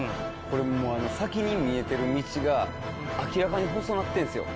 これもう先に見えてる道が明らかに細なってるんですよ